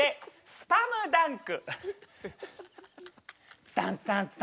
スパムダンク！